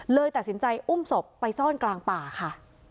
เลยตัดสินใจอุ้มศพไปซ่อนกลางป่าค่ะ